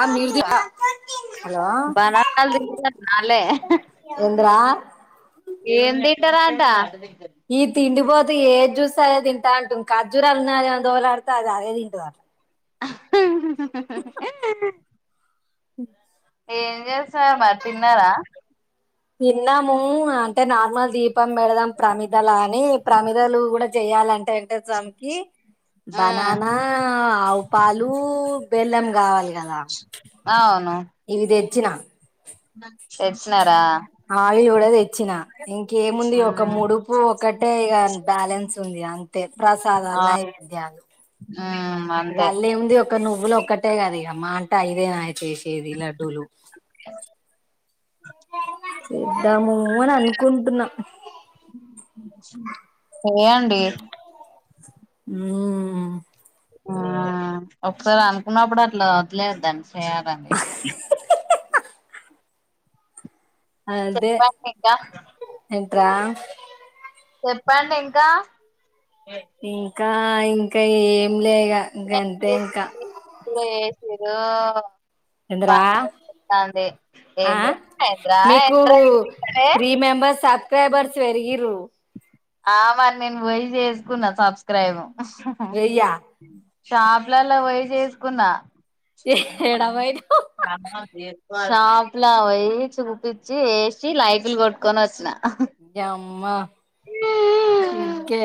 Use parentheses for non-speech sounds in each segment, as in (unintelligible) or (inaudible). ఆ మీదికా బనకాల తిరిగితే నాలే ఎంద్రా ఏం తింటరా అంట ఈ తిండి బో ఏది చూస్తే అదే తింటా అంటుంది. ఖర్జూరాలు ఉన్నాయా అని దేవులాడితే అది అదే తింటదట. (unintelligible) హూ ఏం చేసు సరే మరి తిన్నారా మూఅంటే నార్మల్ దీప్ దీపం పెడదాం ప్రమిదల అని ప్రమిదలు కూడా చెయాలం టేంటే చమకీ మ్మ్ బననా ఆవు పాలు పెళ్ళాం కావాలి కదా అవును ఇవి తెచ్చిన తెచ్చినారా ఆయిల్ కూడా తెచ్చిన ఇంకేముంది ఒక మ్మ్ ముడుపు ఒకటే ఇక బ్యాలెన్స్ ఉంది అంతే ఆ ప్రసాదాలు నైవేద్యాలు మ్మ్ ఇక అంతే అల్లే ఏముందీ అక్క నువ్వులు ఒక్కటే కద ఇక మహా అంటే ఐదే నా చేసేది లడ్డూలు చె చేద్దాము అని అనుకుంటున్నా (inaudible) చేయండి హ్మ్ ఆ ఒకసారి అనుకున్నప్పుడు అట్లా వదిలేయద్దు దాన్ని చేయాలండి చెప్పండి ఇంకా త్ర చెప్పండి ఇంకా ఇంకా ఇ ఇంకా ఏం లే కి గంతే ఇంకా తిరూ ఎందరా ఏంద్రా ఆ ఏంద్రా మీకు ఏంద్రా త్రీ మెంబర్స్ సబ్స్క్రైబర్స్ పెరిగిరూ ఆ మరి నేను పోయి చేసుకున్నా సబ్స్క్రైబ్ హాహా వెయ్యా షాప్లలో పోయి చేసుకున్నా ఏడ పోయినవ్ షాప్ లా పోయి చూపించి వేసి లైకులు కొట్టుకొని వచ్చిన యమ్మ ఇంకే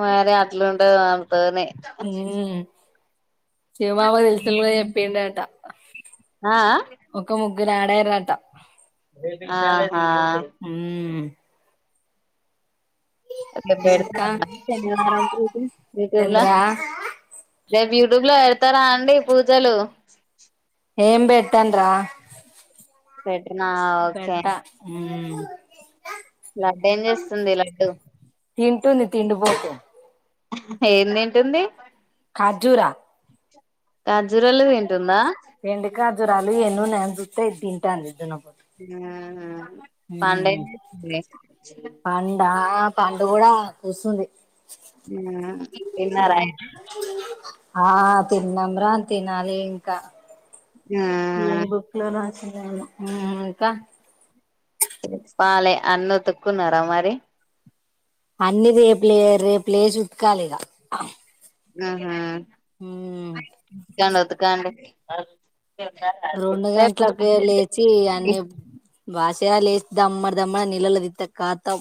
వేరే అట్లుంటదా తోనే శివమావ (unintelligible) చెప్పేండటా ఆ ఆ ఆ మీరాడరంట ఆ ఆ హ్మ్ మేం ఇంకా బెడతనం అ శనివారం రోజు యుట్యూబ్ల ఏంద్రా రేపు యూట్యూబ్ లో పెడతారా అండి పూజలు ఏం పేట్టండ్ర (unintelligible) నా ఓకే ఊమ్ లడ్డు ఏం చేస్తుంది లడ్డు ట్టుంది తిండి బోతు ఏం తింటుంది అర్జురా ఖర్జురలు తిన్ తుంద ఖజురాలు ఎన్నునయని జూతే ఇది తింటంది (unintelligible) ఊమ్ ఊమ్ ఊమ్ పండా పండు కూడా జూస్తుంది మ్మ్ తిన్నారా అయితే ఆ తిన్నంమ్ర తినాలి ఇంకా ఆ ఏ బుక్ లో మ్మ్ ఇంకా సాలె అన్నుతుకున్నర మరి అన్ని రేపులే రేపులేస్ ఉతకాలి ఇగ మ్మ్ హ్మ్ మ్మ్ రండి ఆగు రొండు గంటలకే లేచి అన్ని బాషి ఇగ లేస్ దమ్మడ్ దమ్మడ్ నిలదితది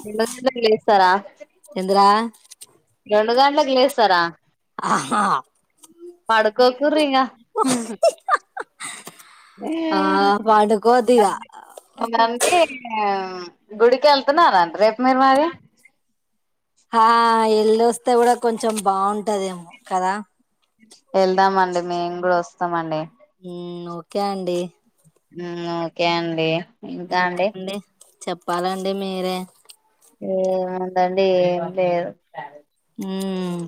బిన బిన లేస్తరా ఏందిరా రెండు గంట్లకి లేస్తారా ఆహా పడుకోకుర్రి ఇగ మ్మ్ ఆ పండుకోద్దిగా మ్మ్ గంతే గుడికి వెళ్తున్నార రేపు మీరు మరి ఆ ఎల్ళ వస్తే కూడా కొంచెం బాగుంటదేమో కదా వెళ్దామండి మేము కూడా వస్తామండి క్యాండీ ఓకే అండి ఇంకా అండి ఇంతండి చెప్పాలండి మీరే ఏముందండి ఏమి లేదు మ్మ్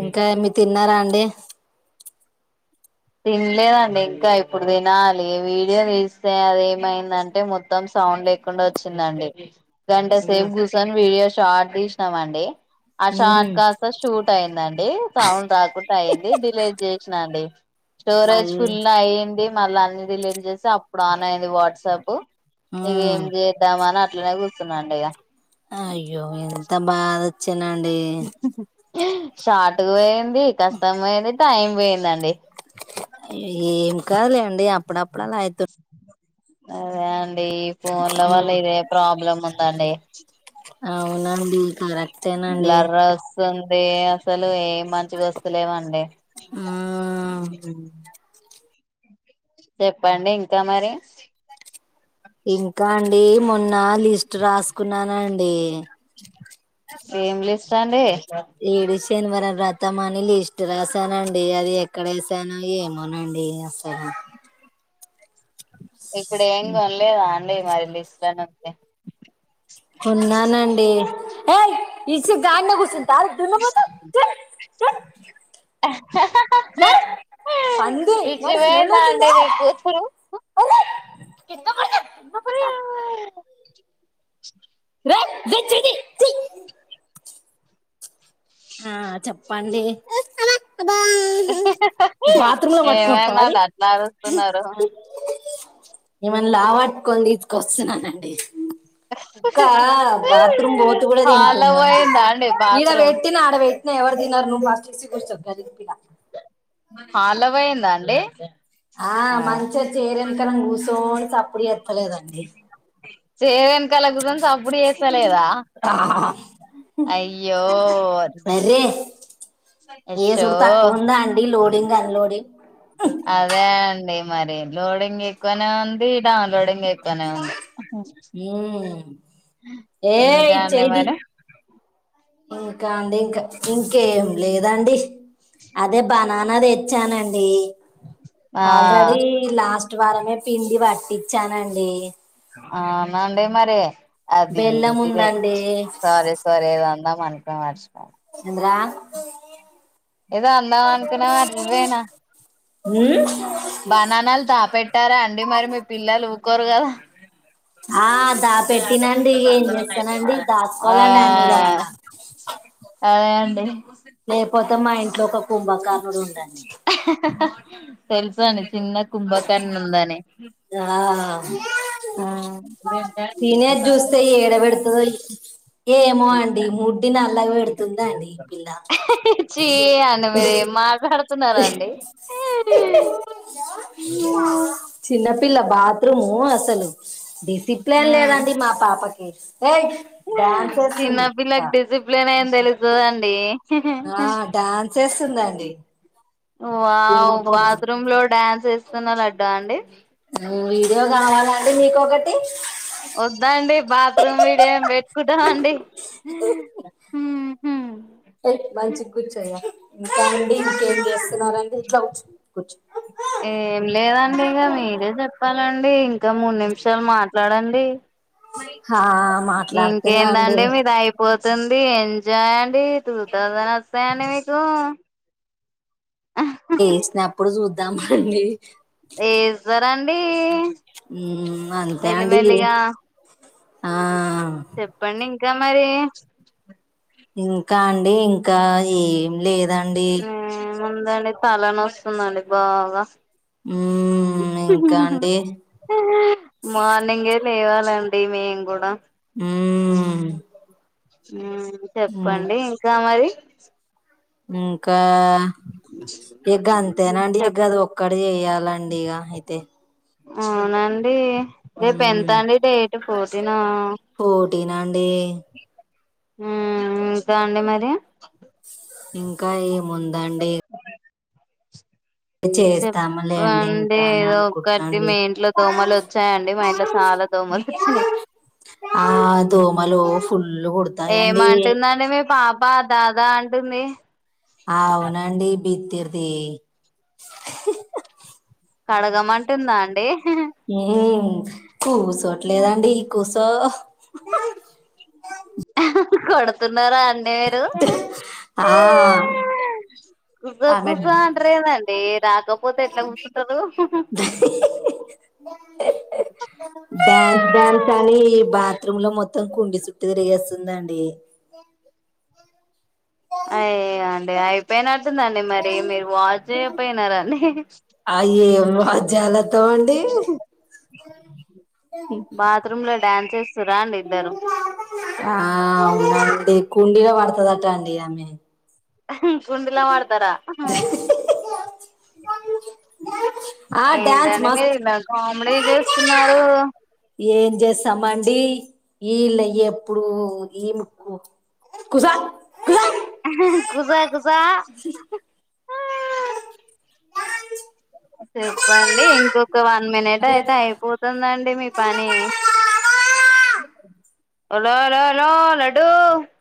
ఇంకామి తిన్నారా అందె తినలేదండి ఇంకా ఇప్పుడు తినాలి వీడియో తీస్తే అది ఏమైందంటే మొత్తం సౌండ్ లేకుండా వచ్చిందండి గంటా అయ్యో సేఫ గుసోనీ విడియొ షార్ట్ తీసినామ అండి ఆ షార్ట్ ఉమ్ కాస్ట్ షూట్ అయిందండి సౌండ్ రాకుండా అయింది డిలేట్ చేసినా అండి స్టోరేజ్ మళ్ ఫుల్ అయ్యంది మల్ల అన్ని డిలీట్ చేస్తే అప్పుడు ఆన్ అయ్యంది వాట్సాప్ ఉమ్ ఇకేం చేద్దామ అని అట్లనే కూర్చున్నాండి ఇక అయ్యో ఎంత బాధ చినండి షార్ట్కు పోయింది కష్టం పోయిది టైం పోయిందండి ఏం కాలే డి అప్పుడప్ డల్లా అయితు అవన్ ఈ ఫోన్ల వల్ల ఇదే ప్రాబ్లం ఉందండి అవునండి కరెక్ట్ బ్లర్ ఓస్తూన్ దే అసలు ఏం మంచి గోస్తులేవండి ఆ చెప్పండి ఇంకా మరి ఇంకా అం ఏ మొన్న లిస్ట్ రాసుకున్నానన్ ది ఏం లిస్ట్ అండి ఏడు శనివార వ్రతం అని లిస్ట్ రాసానండి అది ఎక్కడ వేసానో ఏమోనండి అస్సలు ఇప్పుడు ఏం కొనలేదా మరి లిస్ బ ఏ ఇే జా నకుస (unintelligible) ఆహ నడు పంది నడు స్మెల్ ఇచివంద వస్తుంది అండేకు రేయ్ (inaudible) (unintelligible) (inaudible) ఆ చెప్పండి బాత్రూమ్ లో పట్టుకొస్తావా ఏమైనా అది అట్లా అరుస్తున్నారు నిమల్ లావట్క ఇ వస్తున్నానండి కుక్క బాత్రూమ్ బోతు కూడా హాల్లో తింటుందండి పోయిందా అండి ఈడ బాత్రూమ్ వేట్ వెయితు ఎవరి దినన్నారు ను బాస్సి పలా హాలవయిందా అండి ఆ మంచ చ ఏరంకనం గూసం అప్పుడ ఎతలేదండి సెవెన్ కల గుజం అప్పుడు చేసలేదా ఆ అయ్యో బర్రే షో ఏసుడు తక్కువ ఉందా అండి లోడింగ్ అన్లోడింగ్ అదే అండి మరే లోడింగ్ ఎక్కువగానే ఉంది అన్లోడింగ్ ఇత ఉంది ఏ ఇంకా అండి చెయ్ తీ మరి ఇంకా అండి ఇంకా ఇంకా కేం లేదాండి అదే బనన ఎ చానండి ఆ ఆల్రడి లాస్ట్ అటి వారమే పిండి పట్టించానండి ఆ నాండే మరే అది బెల్లం ఇ ఉందండి సరే సరే ఏదాందా మనక మ ద్రా ఎదో అందామనుకున్న మర్చిపోయినా ఊ బనానాలు దాపెట్టారా అండీ మరి మీ పిల్లలు ఊకోరు గదా ఆ దా పెట్టినండీ ఏం చేస్తనండి ఆ దాచుకోవాలండి అన్ని వీళ్ల వల్ల అదే అండీ లేద్ పో తే మా ఇంట్లో ఒక కుంభకర్ణుడు ఉండండీ తెల్సు అండి చిన్న కుంభకర్ణి ఉందని ఆ తినేది జూస్తే ఏడబెడుతదో ఎ ఎమ్మో అండీ ముడ్డి నల్లగ పెడుతుందండి ఈ పిల్లా చీ అండి మీరు ఏం మాట్లాడుతున్నారండి చిన్నపిల్ల బాత్రుమూ పొన్ అసలు డిఫ్ తిట్లే లేదండి మా పాపకి గిర్స్ చిన్న పిల్లకి డిసిప్లేన్ ఏం తెలుస్తదండీ ఆ డ్యాన్స్ ఎస్తుందండీ ఒ వావ్ బాత్రూమ్ లో డ్యాన్సస్ స్తున్నా లడ్డా అండీ వీడియోకావాలా అంటే మీకొత్ ఒకటీ వద్దా అండి బాత్రూమ్ వీడియో ఏమ్ పెట్కుంటరాండి ఉ ఎ మంచిగ గుర్చో రా ఇంకాండి ఇంకేం చేస్తున్నారండి ఇట్లగూచ్చో గూర్చో ఏం లేదండి ఇగ మీరే చెప్పాల ప్లేన్ ఇంకా మూడు నిమిషాలు మాట్లాడలి దే ఆ మాట్లాడుతున్నా అండి ఇంకేందండీ మీది అయిపోద్ ఎంటండీ ఎంజాయండీ టూ తౌసండ్ వస్తయండి మీకూ ఎసినప్పుడు జూద్దాం అండీ ఎ జ్జత్ రాండీ మ్మ్. అంతే అండి ఇదీ ఆ చెప్పండి. ఎట్ల మరీ. ఇంకా అండి, ఇంకా ఏం లేద మావ్ ఉందండి, తల నోస్తుందండి బాగా. మ్మ్ ఇంకా అండి మార్నింగే లేవాలండి మేము కూడా మ్మ్ (inaudible) మే మ్మ్ చెప్పండి ఇంకా మరీ (inaudible) ఇంకా ఆ ఎగ్ అంతేనండి చెప్ ఎగ్ అది ఒక్కటి చెయాలండి ఇగ అయితే అవునండి రేపు ఎంత మ్మ్ అండి డేటు ఫోర్టీన్ పోటీనా అండి మ్మ్ ఇంకా అండి మరి ఇంకా ఏమ్ ముందాండి చేస్తాము లేండి, చెప్పండి ఇంకానే ఏదో ఒకటి అనుకుంటున్నాండి. మీ ఇంట్లో దోమలు వచ్చాయండి మా ఇంట్లో చాలా దోమలు వచ్చినాయి ఆ దోమలు ఫుల్ కుడుతాయండి. పా దాదా అంటుంది అవునండి బిగ్ తీరిది కడగమంటుందా అండి? మ్మ్ కూసోట్లేదండి, కూసో (unintelligible) కొడుతున్నారా అం నేడు ఆ గుసగుస ఆమె అంటారేందం డి రాకపోతే ఎట్లా కుసుంటారు. డ్యాన్స్ డ్యాన్స్ అని ఈ బాత్రూమ్ లో మొత్తం కుండి సుట్టూ తిరిగేస్తుందండి (inaudible) అయ్యో అండి అయిపోయినట్టుందండి మరి మీరు వాచ్ చేయపోయినారండి అవి ఏం వాద్యాలతో అండి బాత్రూమ్ లో డాన్స్ రాండిద్దరు అ కుండీలో ఆడ్తదట అండి అమే కుండి లో పడతారా బ ఏంటండి మీరు ఇంత కామెడీ చేస్తున్నారు జేస్సామండి వీళ్ళ ఎప్పు డు ఈ కుసో కుసో కుసో కుసో చెప్పండి ఇంకొక వన్ మినిట్ అయితే అయిపోతుందండి మీ పని లో లోలో లడ్డు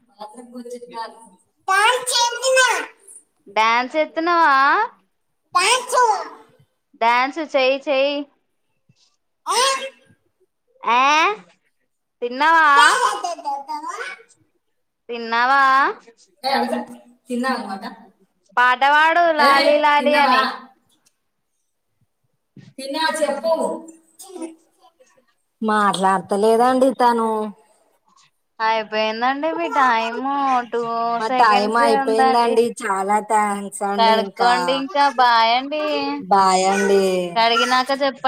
మాత్రం గుర్తించారు డ్యాన్స్ ఏత్తున్నవా పాంట్స్ డ్యాన్స్ చెయి చెయి ఆ తిన్నవా తిన్నావా ఏ తిన పాటవాడు లాలీ లాలీ తిన్నావా అని తిన్నావా చే (inaudible) మాట్లాడతలేదండి తను ఆ అయిపోయిందండి మీ టైం టూ మా టైం సెకండ్స్ ఏ ఉందండి అయిపోయిందండి చాలా థ్యాంక్స్ అండి ఇంకా పడుకోండి ఇంకా బాయ్ అండి బాయ్ అండి కడిగినాక చెప్పన్